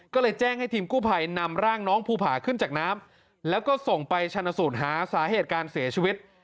ก็เลยแจ้งให้ทีมกู้ภัยนำร่างน้องภูผาขึ้นจากน้ำแล้วก็ส่งไปชนสูตรหาสาเหตุการเสียชีวิต